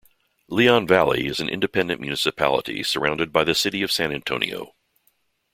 Leon Valley is an independent municipality surrounded by the city of San Antonio.